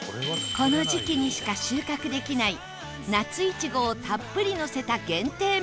この時期にしか収穫できない夏いちごをたっぷりのせた限定メニュー